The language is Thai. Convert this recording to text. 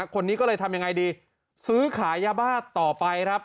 คนนี้ก็เลยทำยังไงดีซื้อขายยาบ้าต่อไปครับ